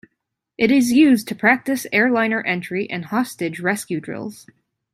It is used to practise airliner entry and hostage rescue drills.